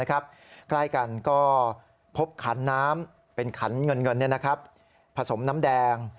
ใกล้กันก็พบขันน้ำเป็นขันเงินผสมน้ำแดง